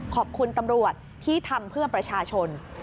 ขอบคุณตำรวจที่ทำเพื่อประชาชน